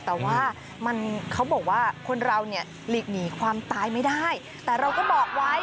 แต่ว่ามันเขาบอกว่าคนเราเนี่ยหลีกหนีความตายไม่ได้แต่เราก็บอกไว้